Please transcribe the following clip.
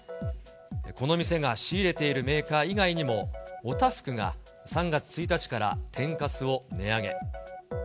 この店が仕入れているメーカー以外にも、お多福が３月１日から天かすを値上げ。